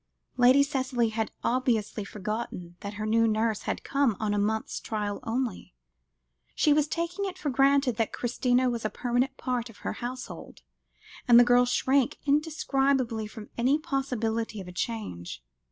Lady Cicely had obviously forgotten that her new nurse had come on a month's trial only; she was taking it for granted that Christina was a permanent part of her household, and the girl shrank indescribably from any possibility of a change.